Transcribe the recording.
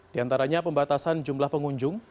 di antaranya pembatasan jumlah pengunjung